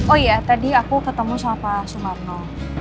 oh iya tadi aku ketemu sama pak sumarno